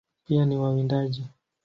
Pia ni wawindaji.